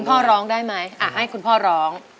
พ่อร้องได้ไหมให้คุณพ่อร้อง